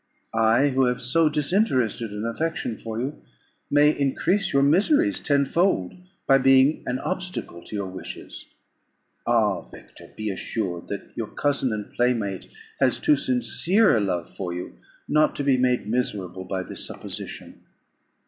I, who have so disinterested an affection for you, may increase your miseries tenfold, by being an obstacle to your wishes. Ah! Victor, be assured that your cousin and playmate has too sincere a love for you not to be made miserable by this supposition.